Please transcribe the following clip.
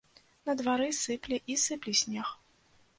На двары сыпле і сыпле снег.